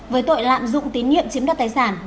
với tội lạm dụng tín nhiệm chiếm đoạt tài sản